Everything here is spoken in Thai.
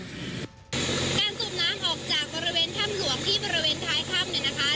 การสูบน้ำออกจากบริเวณถ้ำหลวงที่บริเวณท้ายถ้ำเนี่ยนะคะ